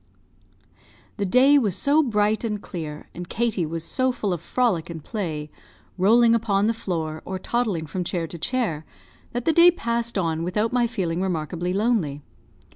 The day was so bright and clear, and Katie was so full of frolic and play, rolling upon the floor, or toddling from chair to chair, that the day passed on without my feeling remarkably lonely.